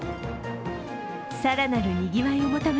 更なるにぎわいを求め